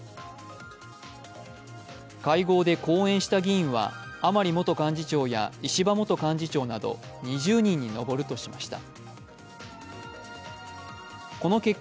会合で講演した議員は甘利元幹事長や石破元幹事長など２０人に上るとしました。